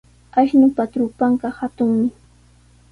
Ashnupa trupanqa hatunmi.